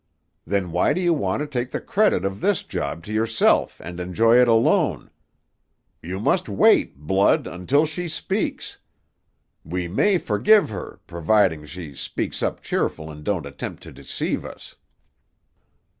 Then why do you want to take the credit of this job to yourself, and enjoy it alone? You must wait, Blood, until she speaks. We may forgive her, providin' she speaks up cheerful and don't attempt to deceive us."